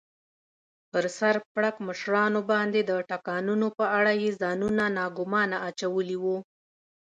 پر سر پړکمشرانو باندې د ټکانونو په اړه یې ځانونه ناګومانه اچولي و.